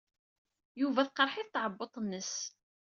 Yuba teqreḥ-it tɛebbuḍt-nnes.